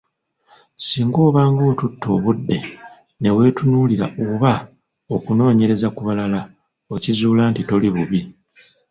Singa obanga otutte obudde neweetunuulira oba okunoonyereza ku balala okizuula nti toli bubi.